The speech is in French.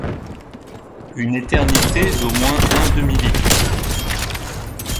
Une éternité d’au moins un demi-litre.